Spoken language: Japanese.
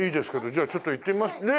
じゃあちょっと行ってみますね。